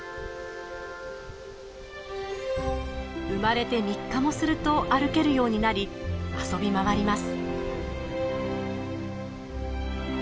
生まれて３日もすると歩けるようになり遊び回ります。